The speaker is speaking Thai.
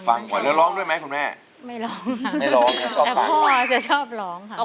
ฟังบ่อยแล้วร้องด้วยไหมคุณแม่ไม่ร้องแต่พ่อจะชอบร้องค่ะ